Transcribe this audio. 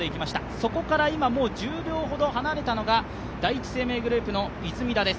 そこから今、もう１０秒ほど離れたのが第一生命グループの出水田です。